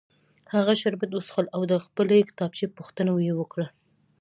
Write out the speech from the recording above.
هغه شربت وڅښل او د خپلې کتابچې پوښتنه یې وکړه